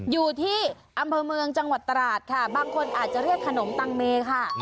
อยู่ที่อำเภอเมืองจังหวัดตราดค่ะบางคนอาจจะเรียกขนมตังเมค่ะ